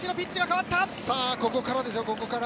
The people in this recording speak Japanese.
さあ、ここからですよ。